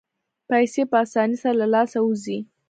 پیسې په اسانۍ سره له لاسه وځي.